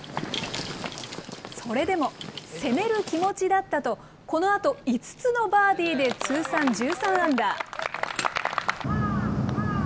それでも、攻める気持ちだったと、このあと、５つのバーディーで通算１３アンダー。